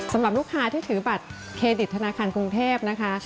สำหรับลูกค้าที่ถือบัตรเครดิตธนาคารกรุงเทพนะคะ